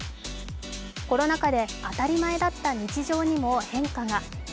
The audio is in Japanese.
コロナ禍で当たり前だった日常にも変化が。